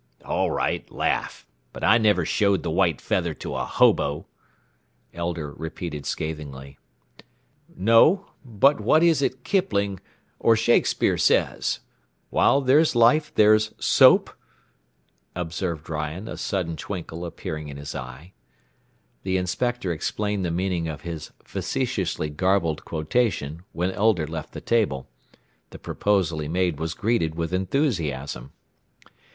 "All right, laugh. But I never showed the white feather to a hobo," Elder repeated scathingly. "No; but what is it Kipling, or Shakespeare, says? 'While there's life there's soap?'" observed Ryan, a sudden twinkle appearing in his eye. The inspector explained the meaning of his facetiously garbled quotation when Elder left the table. The proposal he made was greeted with enthusiasm.